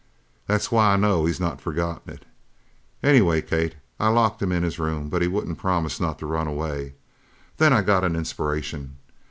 "That's why I know he's not forgotten it. Anyway, Kate, I locked him in his room, but he wouldn't promise not to run away. Then I got an inspiration.